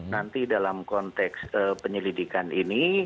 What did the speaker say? nanti dalam konteks penyelidikan ini